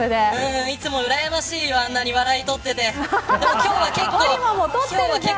いつも、うらやましいよあんなに笑いをとっていて。